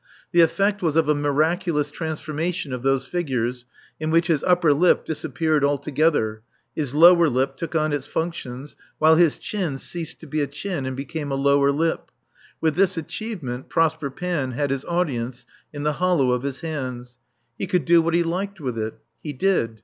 The effect was of a miraculous transformation of those features, in which his upper lip disappeared altogether, his lower lip took on its functions, while his chin ceased to be a chin and became a lower lip. With this achievement Prosper Panne had his audience in the hollow of his hands. He could do what he liked with it. He did.